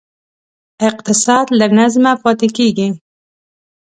اقتصاد له نظمه لرې پاتې کېږي.